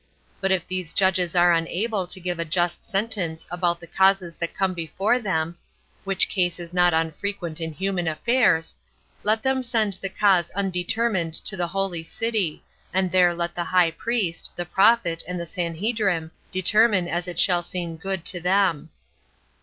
But if these judges be unable to give a just sentence about the causes that come before them, [which case is not unfrequent in human affairs,] let them send the cause undetermined to the holy city, and there let the high priest, the prophet, and the sanhedrim, determine as it shall seem good to them.